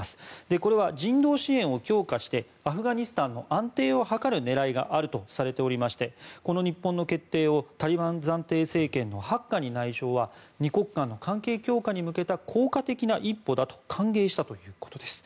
これは人道支援を強化してアフガニスタンの安定を図る狙いがあるとしてこの日本の決定をタリバン暫定政権のハッカニ内相は二国間の関係強化に向けた効果的な一歩だと歓迎したということです。